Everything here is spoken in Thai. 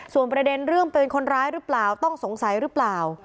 ส่วนประเด็นเรื่องเป็นคนร้ายหรือเปล่าต้องสงสัยหรือเปล่า